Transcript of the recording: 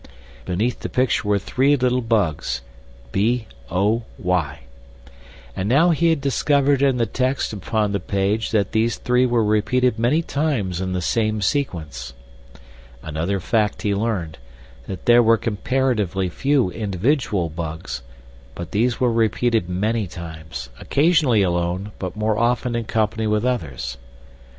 Beneath the picture were three little bugs— BOY. And now he had discovered in the text upon the page that these three were repeated many times in the same sequence. Another fact he learned—that there were comparatively few individual bugs; but these were repeated many times, occasionally alone, but more often in company with others.